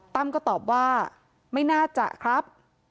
ก็ตอบว่าไม่น่าจะครับ